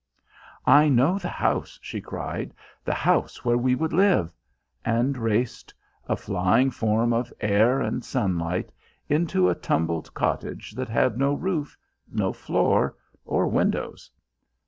"I know the house," she cried, "the house where we would live!" and raced, a flying form of air and sunlight, into a tumbled cottage that had no roof, no floor or windows.